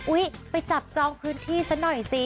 ไปจับจองพื้นที่ซะหน่อยสิ